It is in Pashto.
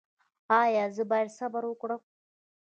ایا زه باید صبر وکړم؟